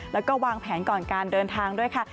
แล้วก็วางแผนก่อนการเดินทางด้วยค่ะ